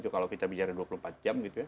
kalau kita bicara dua puluh empat jam